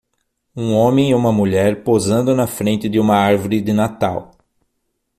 Um homem e uma mulher posando na frente de uma árvore de Natal.